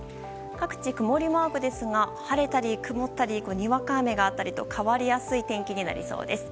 各地、曇りマークですが晴れたり曇ったりにわか雨があったりと変わりやすい天気になりそうです。